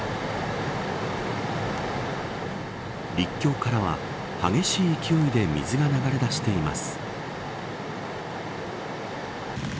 陸橋からは激しい勢いで水が流れ出しています。